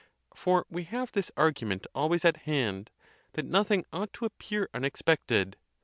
For we have this argument always at hand, that nothing ought to appear unexpected.